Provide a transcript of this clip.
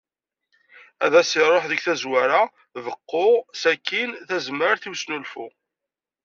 Ad as-iruḥ deg tazwara beqqu, sakkin tazmert i usnulfu.